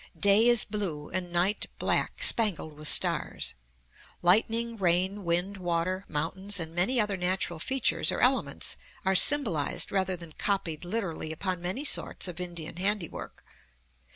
Day is blue, and night black spangled with stars. Lightning, rain, wind, water, mountains, and many other natural features or elements are symbolized rather than copied literally upon many sorts of Indian handiwork.